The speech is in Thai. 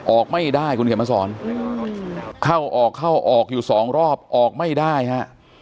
ออกไม่ได้คุณเขียนมาสอนเข้าออกเข้าออกอยู่สองรอบออกไม่ได้ฮะ